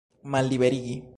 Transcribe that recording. Malliberigi!